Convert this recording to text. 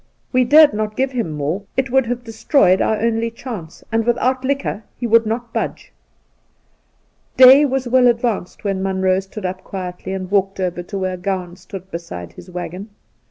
We dared not give him more — ^it would have destroyed our only chance ; and without liquor he would not budge. Day was well advanced when Munroe stood up quietly, and walked over to where Gowan stood beside , his waggon.